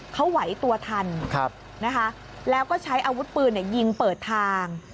เขาไหวตัวทันนะคะแล้วก็ใช้อาวุธปืนยิงเปิดทาง